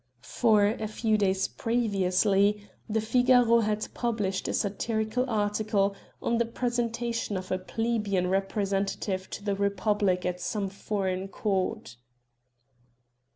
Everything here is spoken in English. For, a few days previously, the Figaro had published a satirical article on the presentation of a plebeian representative of the republic at some foreign court.